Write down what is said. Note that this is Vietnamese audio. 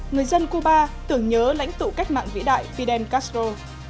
người dân cuba tưởng nhớ lãnh tụ cách mạng vĩ đại fidel castro